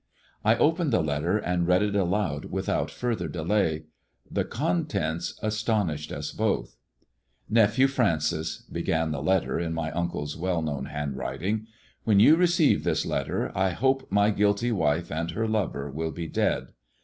I opened the letter and read it aloud without further delay. The contents astonished us both. "Nephew Feancis," began the letter, in my uncle's well known handwriting. " When you receive this letter, I hope my guilty wife and her lover will be dead.